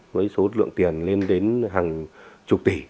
với số lượng tiền lên đến hàng chục tỷ